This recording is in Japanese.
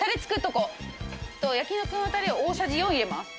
焼肉のタレを大さじ４入れます。